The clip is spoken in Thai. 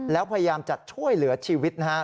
แล้วพยายามจะช่วยเหลือชีวิตนะฮะ